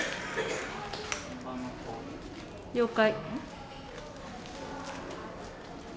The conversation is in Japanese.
了解。